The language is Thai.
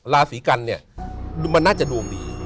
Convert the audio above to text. ราศีกันเนี่ยมันน่าจะดวงดี